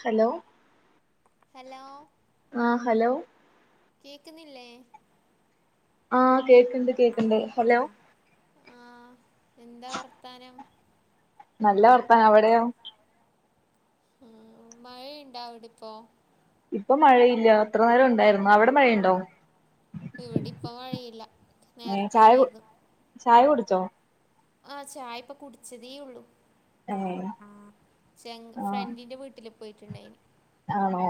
Hello hello ആ hello? കേക്കുന്നില്ലേ ആഹ് കേക്ക്ണ്ട് കേക്ക്ണ്ട് ഹലോ ആ എന്താ വർത്താനം. നല്ല വർത്താനം അവടെയോ? ഉം മഴയുണ്ടാവിടിപ്പോ? ഇപ്പ മഴയില്ല ഇത്ര നേരം ഉണ്ടായിരുന്നു അവ്ടെ മഴ ഇണ്ടോ ഇവിടി ഇപ്പ മഴയില്ല ഏഹ് നേരത്തെ ചായ കുടി ഉണ്ടായിരുന്നു ചായ കുട്ച്ചോ? ആഹ് ചായ ഇപ്പ കുടിച്ചതെ ഒള്ളു ഏഹ് ഫ്രണ്ട് ആഹ് ഫ്രണ്ടിന്റെ വീട്ടിൽ പോയിട്ട് ഇണ്ടായിനി ആണോ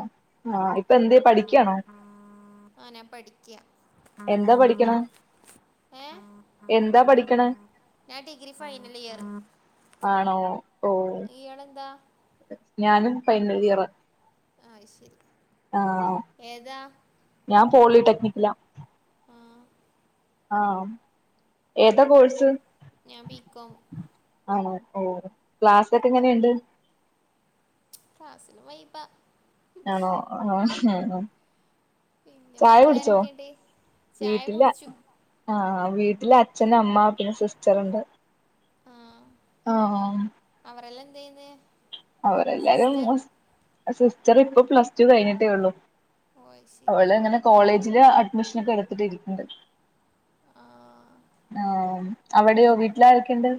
ആഹ് ഇപ്പ എന്തെ പഠിക്ക്യായാണോ? ആഹ് ഞാ പഠിക്ക്യാ എന്താ പഠിക്ക്ണെ ഏഹ് പഠിക്കണെ ഞാൻ ഡിഗ്രി ഫൈനൽ ഇയെർ ആണോ? ഓ ഇയാൾ എന്താ ഞാനും ഫൈനൽ ഇയെറാ അയ് ശരി ഏതാ ഞാൻ പോളിടെക്നിക്കിലാ ആ ആം ഏതാ കോഴ്സ് ഞാൻ ബിക്കോം ആണോ ഓ ക്ലാസ് ഒക്കെ എങ്ങെനെ ഇണ്ട് ക്ലാസ്സിൽ വൈബാ ആണോ? ആഹ് പിന്നെ ചായ കുടിച്ചോ? വീട്ടിലാരൊക്കെയുണ്ട് ചായ വീട്ട്ലാ കുടിച്ചു ആഹ് വീട്ട്ൽ അച്ഛെന് അമ്മ പിന്നെ സിസ്റ്റെർ ഉണ്ട് ആ ആഹ് അവരെല്ലാം എന്ത് ചെയ്യ്ന്ന് അവരെല്ലാരും സിസ്റ്റർ ഇപ്പം പ്ലസ് ടു കഴിഞ്ഞിട്ടെ ഒള്ളു ഓ അയ്ശരി അവൾ ഇങ്ങനെ കോളേജിൽ അഡ്മിഷൻ ഒക്കെ എട്ത്തിട്ട് ഇരിക്ക്ണ്ട് ആഹ് ആഹ് അവിടെയോ വീട്ടിലാരൊക്കെയുണ്ട്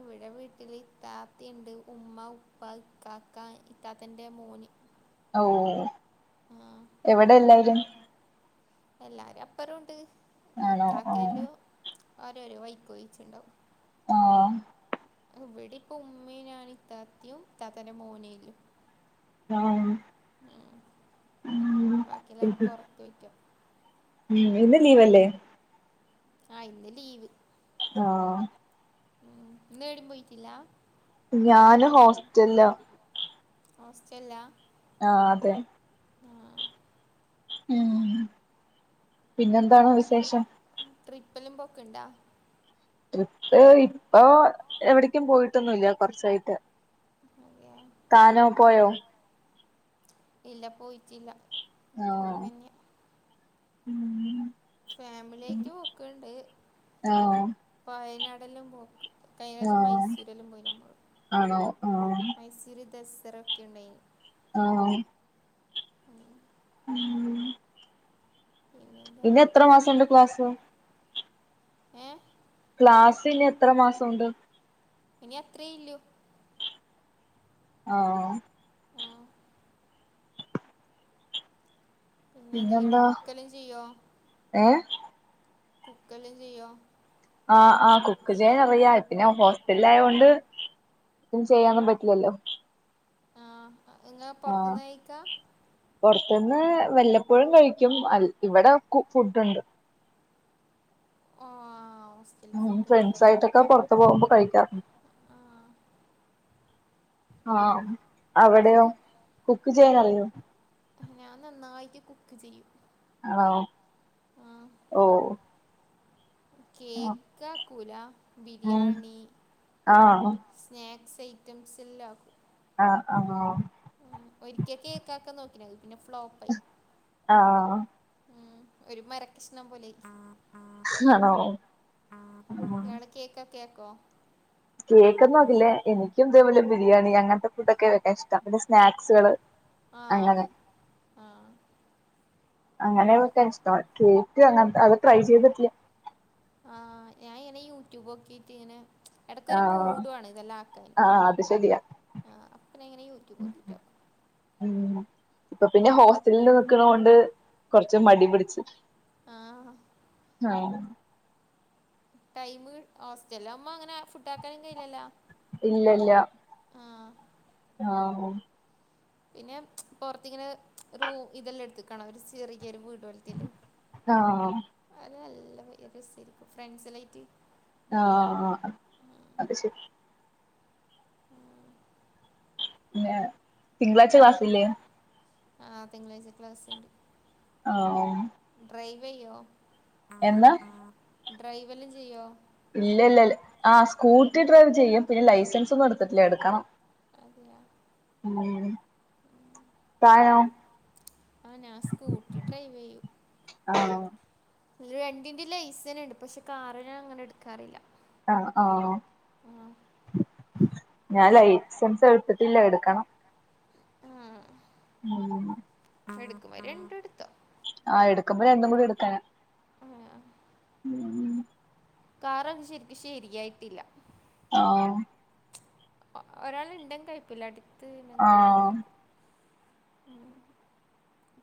ഇവെടെ വീട്ടില് ഇത്താത്തിയിണ്ട് ഉമ്മ, ഉപ്പ, ഇക്കാക്ക ഇത്താത്തെന്റെ മോന് ഒ ഓ ആഹ് എവിടെ എല്ലാരും എല്ലാരും അപ്പറും ഉണ്ട് ആണോ ആഹ് ഇക്കാക്കെല്ലും ഓരോരോ വൈക്ക് പോയിറ്റ് ഇണ്ടാവും ആഹ് ഇവ്ടെ ഇപ്പം ഉമ്മേം ഞാനും ഇതാത്തിയും ഇതാത്താന്റെ മോനെയൊള്ളു [unintelligible] ഉം ബാക്കി എല്ലാരും പൊറത്ത് പോയ്ക്കാ ഉം ഇന്ന് ലീവ് അല്ലെ ആഹ് ഇന്ന് ലീവ് ആഹ് ഉം ഇന്ന് ഏടിം പോയ്റ്റില്ല ഞാന് ഹോസ്റ്റെൽലാ ഹോസ്റ്റെൽലാ ആഹ് അതെ ആഹ് ഉം പിന്നെ എന്താണ് വിശേഷം ട്രിപ്പെല്ലാം പോക്ക് ഇണ്ടാ ട്രിപ്പ് ഇപ്പൊ എവ്ട്ക്കും പോയിട്ടൊന്നും ഇല്ല കൊർച്ചായിട്ട് അതെയാ കാര പൊഴേ ഇല്ല പോയിറ്റ് ഇല്ല. ആഹ് ഉം ഫാമിലി ആയിറ്റ് പോക്ക്ണ്ട്. ആഹ് വയനാടെല്ലാം പോക്ക് കഴിഞ്ഞ ആഴ്ച ആഹ് മൈസൂരെല്ലാം പോയി നമ്മെൾ. ആണോ ആഹ് മൈസൂര് ദസ്റ ഒക്കെ ഉണ്ടായിനി ആണോന്ന് ഉം. ഉം പിന്നെന്താ ഇനി എത്ര മാസണ്ട് ക്ലാസ്? ഏഹ് ക്ലാസ്സ് ഇനി എത്ര മാസമുണ്ട്? ഇനി അത്രേ ഇല്ലു ആഹ് ആഹ് പിന്നെ എന്താ ഇയാൾ പിന്നെന്താ കുക്കലും ചെയ്യോ? ഏഹ് കുക്കലും ചെയ്യോ? ആഹ് ആഹ് കുക്ക് ചെയ്യാൻ അറിയാ എത്ത്നാ ഹോസ്റ്റൽ ആയൊണ്ട്. ക്ക് ചെയ്യാനൊന്നും പറ്റില്ലല്ലോ ആ നിങ്ങൾ ആഹ് പൊറത്ത്ന്ന് കഴിക്കാ? പുറത്തുന്ന് വല്ലപ്പോഴും കഴിക്കും ഇവിടെ ഫുഡുണ്ട് ഓഹ് ആഹ് സ് ഉം ഫ്രണ്ട്സ് ആയിട്ടൊക്കെ പൊറത്ത് പോകുമ്പോ കഴിക്കാറ് ആ ആഹ് അവിടെയോ കുക്ക് ചെയ്യാൻ അറിയോ ഞാൻ നന്നായിട്ട് കുക്ക് ചെയ്യും. [unintelligible] ആ ഓഹ് ആ കേക്കാക്കുല ആഹ് ബിരിയാണി. ആഹ് സ്നേക്സ് ഐറ്റംസ് എല്ലാക്കും. ആഹ് ആഹ് ഉം ഒരിക്കേ കേക്കാക്കാൻ നോക്കിനി പിന്നെ ഫ്ലോ ആഹ് ഉം ഒരു മരക്ഷ്ണം പോലെ ആണോ ഉം ഇയാള് കേക്ക കേക്കോ? കേക്കൊന്നും ആക്കില്ലേ എനിക്കും ഇതേ പോലെ ബിരിയാണി അങ്ങൻത്തെ ഫുഡൊക്കെ നല്ല ടേസ്റ്റ പിന്നെ സ്നാക്സുകള് ആ അങ്ങനെ അതെ അങ്ങനൊയൊക്കെ ഇഷ്ട കേക്ക് അങ്ങൻ അത് ട്രൈ ചെയ്തിട്ടില്ല. ആഹ് ഞൻ ഇങ്ങനെ യൂട്യൂബ് നോക്കീട്ട് ഇങ്ങനെ എടയ്ക്ക് ഒരു ആഹ് മൂഡ് വേണം ഇതെല്ലാം ആക്കാൻ ആഹ് അത് ശരിയാ ആ അപ്പ ഞാ ങ്ങനെ യൂറ്റൂബ് നോക്കി ട്ട ഉം ഇപ്പൊ പിന്നെ ഹോസ്റ്റലിൽ നിക്കണ കൊണ്ട് കൊറച്ച് മടി പിടിച്ചു ആഹ് ആഹ് ടൈമ ഹോസ്റ്റലിൽ ആവുമ്പോ അങ്ങനെ ഫുഡ് ആാക്കാനും കയ്യില്ലല്ലാ ഇല്ല ല്ല ആഹ് ആഹ് പിന്നെ പൊറത്തിങ്ങനെ റൂ ഇതെല്ലാം എടുത്തക്കാണ ഒരു ചിറക്ക് ഒരു വീ [unintelligible] ആഹ് അത് നല്ലരിക്കും ഫ്രണ്ട്സിലായിട്ട് ആഹ് ആഹ് അത് ശരി [unintelligible] പിന്നെ തിങ്കളാഴ്ച ക്ലാസില്ലേ? ആഹ് തിങ്കളാഴ്ച ക്ലസ്ണ്ട് ആഹ് ഉ ഡ്രൈവ് യ്യോ? എന്നാ ഡ്രൈവല് ചെയ്യോ? ഇല്ല ല്ല ആ സ്കൂട്ടി ഡ്രൈവ് ചെയ്യും. പിന്നെ ലൈസൻസ് ഒന്നും എടുത്തിട്ടില്ല എടുക്കണം. അതിയ ഉം താനോ ആ നാസ്കൂട്ടി ഡ്രൈവ് ചെയ്യു ആഹ് രണ്ടിന്റെ ലൈസൻസ് ഉണ്ട് പക്ഷെ കാറ്അങ്ങനെ എടുക്കാറില്ല അ ആഹ് ആ ഞാൻ ലൈസൻസ് എട്ത്തിട്ടില്ല എട്ക്കണം. ആഹ് ആഹ് എടുക്കുമ്പം രണ്ടുംഎടുത്തോ ആ എട്ക്കുമ്പോ രണ്ടും കൂടി എട്ക്കാനാ. ആ കാറൊക്കെ ശരിക്ക് ശരിയായിട്ടില്ല. ആഹ് ഒരാൾ ഇണ്ടെകൊഴപ്പില്ല അടുത്ത് ണ്ടെ കൊഴപ്പില്ല ആഹ്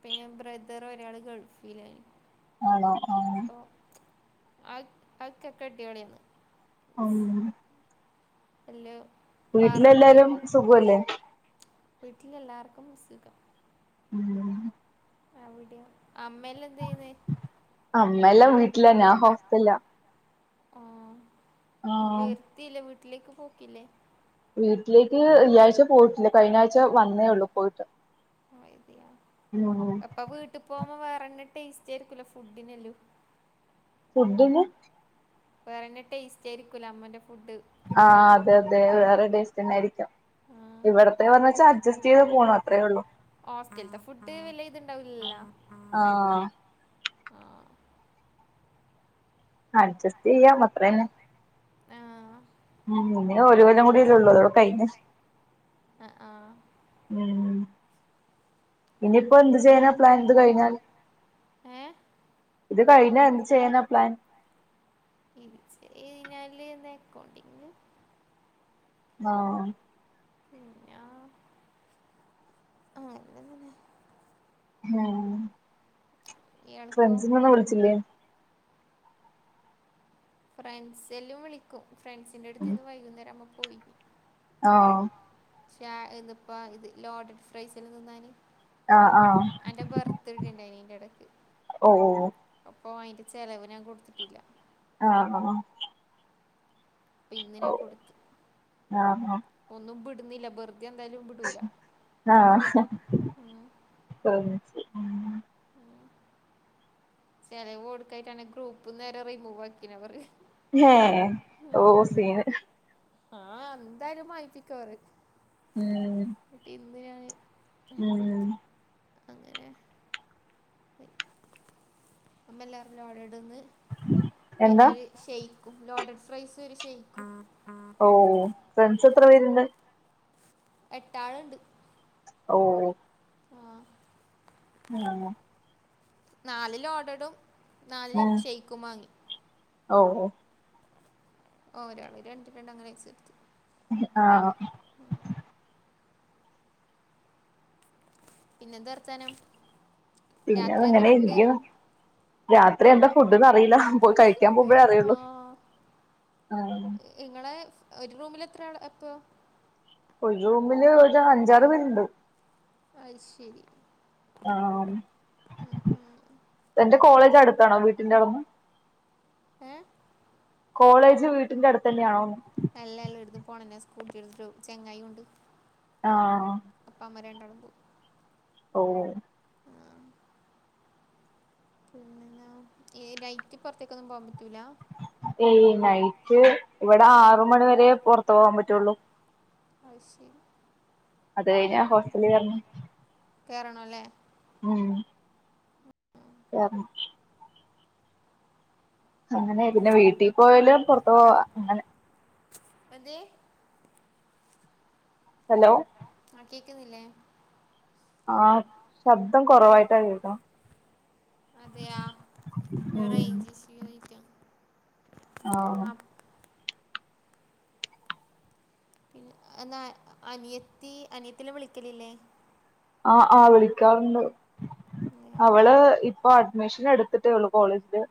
പിന്നെ ബ്രദർ ഒരാള് ഗൾഫിലേ ആണോ ആഹ് ആ ആവൊക്ക് അവൊക്കെകെട്ടിയവളെയാന്ന് അം എല്ലോം വീട്ടിലെല്ലാരും പർഞ്ഞേരും. സുഖല്ലേ വീട്ട്ൽ എല്ലാർക്കും സുഖം. ഉം അവിടെയോ. അമ്മല്ലേ എന്തേ യ്യുന്നേ? അമ്മല്ല വീട്ട്ലാ ഞാ ഹോസ്റ്റല്ലാ ആഹ് ആഹ് വരുത്തില്ലേ വീട്ടിലേക്ക് പോകൂല്ലേ വീട്ടിലേക്ക് ഈ ആഴ്ച പോയിട്ടില്ല കഴിഞ്ഞ ആഴ്ച വന്നേ ഉള്ളു പോയിട്ട് ഉം അപ്പൊ വീട്ട് പോകുമ്പോ വേറെന്നെ ടേസ്റ്റായിരിക്കല്ലോ ഫുഡ്ഡ്നല്ലും. ഫുഡ്ഡ്ന് വേറെന്നെ ടേസ്റ്റ് ആയിരിക്കൂല്ലെ അമ്മന്റെ ഫുഡ് ആ കിട്ടാത്തത് അതെ അതെ കിട്ടുമ്പോ വേറെ ടേസ്റ്റെന്നെ ആയിരിക്കും. ആ ഇവിടത്തെ പറഞ്ഞച്ചാ അഡ്ജസ്റ്റ് ചെയ്ത് പോണം അത്രേ ഉള്ളൂ ഹോസ്റ്റൽത്തെ ഫുഡ് വല്യത്ണ്ടാവൂലല്ലോ. ആഹ് അഡ്ജസ്റ്റ് ചെയ്യാമത്രന്നെ ആഹ് ഉം ഇനി ഒരു കൊല്ലം കൂട്യല്ലേ ഉള്ളൂ അതോടെ കഴിഞ്ഞ്. അ ആഹ് ഉം ഇനിപ്പോ എന്ത് ചെയ്യാനാ പ്ലാൻ പിന്നെന്താ ഇത് കഴിഞ്ഞാൽ? ഏ ഇത് കഴിഞ്ഞാ എന്ത് ചെയ്യാനാ പ്ലാൻ? ഇത് [unintelligible] ഴിഞ്ഞാൽ ന്ന് എക്കൗണ്ടിങ് ആഹ് പിഞ്ഞാ ആ അങ്ങനെന്നെ ഉം ഇയാൾക്കോ ഫ്രണ്ട്സിനെ ഒന്നും വ്ള്ച്ചില്ലേ? ഫ്രണ്ട്സെല്ലും വിളിക്കും ഫ്രണ്ട്സിൻ്റെ അടുത്ത് ഇന്ന് വൈകുന്നേരാകുമ്പോ പോയിരിക്കും ആഹ് ഇത്പ്പ ഇത് ലോഡഡ് ഫ്രൈസൽ തിന്നാൻ ആഹ് ആഹ് എന്റെ ബർത്ത്ഡേ ണ്ടായിനി ഐന്റെടക്ക്. ഓഹ് ഓഹ് ഓഹ് അപ്പൊ അയിന്റെ ചെലവ് ഞാൻ കൊടുത്തിട്ടില്ല ആഹ് പ്പ ഇന്ന് ഓ ഞാൻ കൊടുത്ത് ആഹ് ഒന്നും വിടുന്നില്ല വെറുതെന്തായാലും വിടൂല. ആഹ് ഉം ഉം ചെലവൊടുക്കാഞ്ഞിട്ടാണ് ഗ്രൂപ്പ്ന്നെരെ റിമൂവ് ആക്കീനവർ. ഹേ ഓ സീൻ. ആഹ് ന്തായാലും [unintelligible] ഉമ് [unintelligible] ന്ന് ഞാന് വാങ്ങി കൊടുത്ത്. അങ്ങനെ. അമ്മേല്ലാരും ലോഡഡ്‌ ന്ന്. പിന്നെ എന്താ ഒരു. ഷൈക്കും ലോട്ടർ ഫ്രൈസും ഒരു ഷൈക്കും. ഓഹ്, ഓഹ്!. ഫ്രണ്ട്സ് എത്ര പേരുണ്ട്? എട്ടാളുണ്ട്. ഓ.. ഹ്. ആഹ് യേഹ്. നാല് ലോഡഡും, നാല് ഷൈക്കും മാങ്ങി. ഓഹ്, ഓഹ്! ഓഹ്, ഒരാൾ രണ്ട്, രണ്ട് അങ്ങനെ പൈസട്തു. ആഹ് പിന്നെ എന്താവർത്താനം. പിന്നെ അങ്ങനെയിരിക്കാം. രാത്രി എന്താ ഫുഡ്ന്ന് അറിയില്ല. പോയി കഴിക്കാൻ പോകുമ്പഴേ അറിയുള്ളു. ഇങ്ങളെ, ഒരു റൂമില് എത്രാളാ അപ്പോ? ഒരു റൂമില് ഒരു അഞ്ചാറ് പേരുണ്ട്. അയ് ശെരി. ആഹ്, തന്റെ കോളേജ് അടുത്താണോ? വീട്ടിന്റെ അവിടുന്ന്? ഏഹ്? കോളേജ് വീട്ടിന്റെ അടുത്തന്നെയാണോന്ന്. എല്ല, എല്ലാട്ത്തും പോണെങ്ങേ, സ്കൂട്ടിട്ത്ത് ചെങ്ങായിണ്ട്. ആഹ്. അപ്പ അമ്മ രണ്ടാളും പോകും. ഓ.. ഹ്. ആ, ഏഹ് നൈറ്റ് പുറത്തേക്കൊന്നും പോവാൻ പറ്റൂല. ഏയ്, നൈറ്റ്. ഇവിടെ ആറ് മണി വരെ പുറത്ത് പോകാൻ പറ്റുള്ളൂ. അഹ് ശരി അത് കഴിഞ്ഞാ പിന്നെ ഹോസ്റ്റലിൽ കേറണം കേറണല്ലേ. ഉം. യ, ഉം. അങ്ങനെ പിന്നെ വീട്ടി പോവല് പുറത്ത് പോവാ അങ്ങനെ. എന്ത്? ഹലോ. ആഹ്, കേക്കുന്നില്ലേ? ആ ശബ്ദം കുറവായിട്ടാ കേക്കണ. അതെയാ? അത് ഉം റെയ്ഞ്ച് ഇഷ്യൂ ആയിരിക്കാം. ആഹ്. പിൻ, എന്നാ..., അനിയത്തി, അനിയത്തില്ലാം വിളിക്കലില്ലേ? ആഹ്, ആഹ്. വിളിക്കാറുണ്ട്. എന്തിനാ അവള്, ഇപ്പൊ അഡ്മിഷൻ എടുത്തിട്ടേള്ളു. കോളേജില്.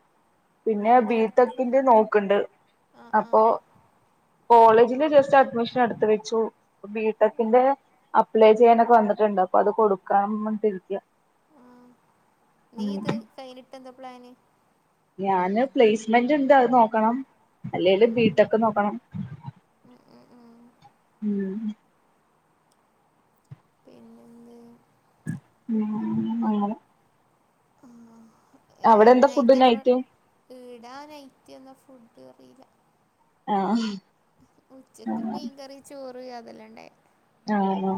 പിന്നെ എന്താ എടുത്ത് ബീട്ടക്കിന്റെ നോക്ക്ണ്ട്. ആ ആ അപ്പൊ, കോളേജില് ജസ്റ്റ് അഡ്മിഷന് എടുത്ത് വെച്ചു. ബിടെക്കിന്റെ അപ്ല ചെയ്യാനൊക്കെ വന്നിട്ടുണ്ടോ. അപ്പൊ അത് കൊടുക്കാന്ന് പറഞ്ഞിട്ട് ഇരിക്ക. ആ നീ ഇത് കഴിഞ്ഞിട്ട് എന്താ പ്ലാന്? ഞാന് പ്ലേസ്മെന്റ്ണ്ട്, അത് നോക്കണം. അല്ലെല് ഉം ഉം. ബിടെക് നോക്കണം. ഉം ഉം ഉം. [inaudible] പിന്നെന്ത് ഉം. അങ്ങനെ. അവിടെ എന്താ ഫുഡ് നൈറ്റ് എത്ര ഇടാ നൈറ്റ് എന്ന ഫുഡ് അറിയില്ല. ആഹ് ഉച്ചക്ക് ആഹ് മീൻകറി ചോറ് അതെല്ലാം ഉണ്ടായിരുന്നു ആണോ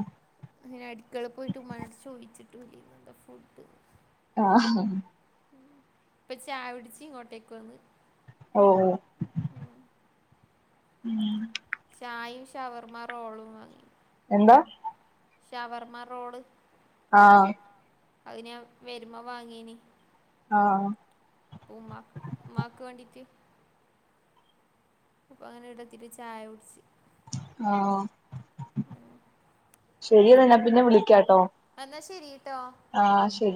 അങ്ങനെ അടുക്കള പോയിട്ട് ഉമ്മാനോട്ടട് ചോദിച്ചിട്ട് ഇന്താ ഫുഡ് ആഹ് ഇപ്പ ചായകുടിച്ച് ഇങ്ങോട്ടേക്ക് വന്ന് ഓഹ് ഓ ഉം. ചായയും ഷവർമ്മ റോളും വാങ്ങി എന്താ ശവർമാ റോൾ ആഹ് അത്ഞാൻ വരുമ്പോ വാങ്ങീന് ആഹ് ഓമാ ഉമ്മാക്ക് വേണ്ടിട്ട് അപ്പൊ അങ്ങനെ ഇടത്തിരി ചായ കുടിച്ചച്ച് ആഹ് ശരിയന്നാ പിന്നെ വിളിക്കാംട്ടോ എന്നാശരി ട്ടോ ആഹ്ശരി